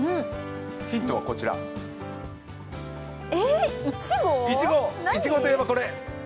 ヒントはこちら、いちごといえばこれ！